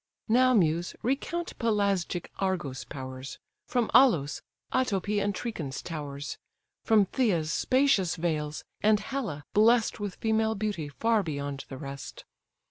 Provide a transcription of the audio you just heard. Now, Muse, recount Pelasgic Argos' powers, From Alos, Alopé, and Trechin's towers: From Phthia's spacious vales; and Hella, bless'd With female beauty far beyond the rest.